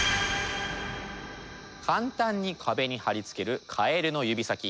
簡単に壁に貼り付けるカエルの指先